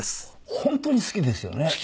本当に好きですよね。